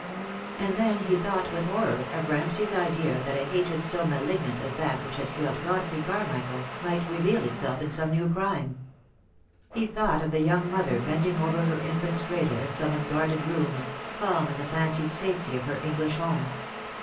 And then he thought with horror of Ramsay's idea that a hatred so malignant as that which had killed God frey Carmichael might reveal itself in some new crime. He thought of the young mother bending over her in fant's cradle in some unguarded room — calm in the fancied safety of her English home.